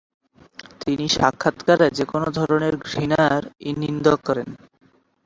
তিনি সাক্ষাৎকারে "যেকোনো ধরনের ঘৃণা"রই নিন্দা করেন।